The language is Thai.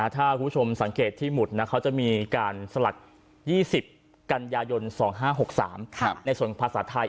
ถ้าคุณผู้ชมสังเกตที่หมุดเขาจะมีการสลัก๒๐กันยายน๒๕๖๓ในส่วนภาษาไทย